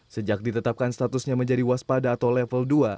sejak ditetapkan statusnya menjadi waspada atau level dua